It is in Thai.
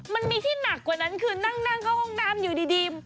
มันมีที่หนักกว่านั้นคือนั่งเข้าห้องน้ำอยู่ดี